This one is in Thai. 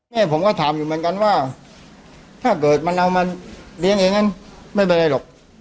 แม่ผมก็ถามอยู่เหมือนกันว่าถ้าเกิดมันเอามาเลี้ยงเองกันไม่เป็นไรหรอก